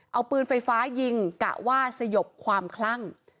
เอาปืนไฟฟ้ายิงกะว่าสยบความคลั่ง